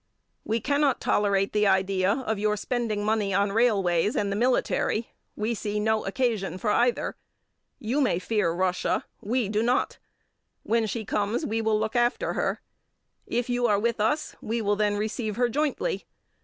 "We cannot tolerate the idea of your spending money on railways and the military. We see no occasion for either. You may fear Russia; we do not. When she comes we will look after her. If you are with us, we will then receive her jointly.